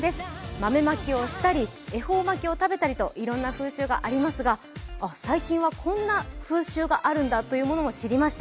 豆まきをしたり恵方巻きを食べたりといろんな風習がありますが、最近は、こんな風習があるんだというものも知りました。